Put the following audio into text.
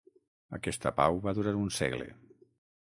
Aquesta pau va durar un segle.